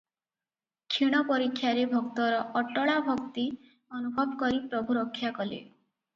କ୍ଷୀଣ ପରୀକ୍ଷାରେ ଭକ୍ତର ଅଟଳାଭକ୍ତି ଅନୁଭବ କରି ପ୍ରଭୁ ରକ୍ଷା କଲେ ।